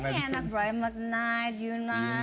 ini enak brian mcknight